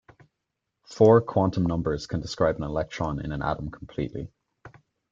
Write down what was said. Four quantum numbers can describe an electron in an atom completely.